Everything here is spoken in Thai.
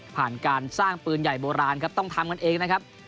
การสร้างปืนใหญ่โบราณครับต้องทำกันเองนะครับ